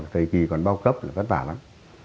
thời kỳ còn bao cấp là vất vả lắm